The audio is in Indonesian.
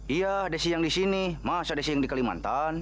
iya desi yang di sini mas ada yang di kalimantan